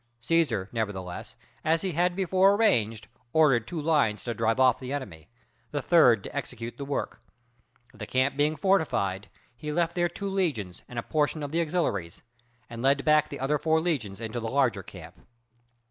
Cæsar nevertheless, as he had before arranged, ordered two lines to drive off the enemy; the third to execute the work. The camp being fortified, he left there two legions and a portion of the auxiliaries, and led back the other four legions into the larger camp.